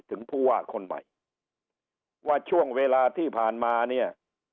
ถึงผู้ว่าคนใหม่ว่าช่วงเวลาที่ผ่านมาเนี่ย